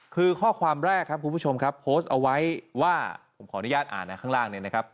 คือข้อความแรกครับคุณผู้ชมครับโพสต์เอาไว้ว่าผมขออนุญาตอ่านนะข้างล่างเนี่ยนะครับ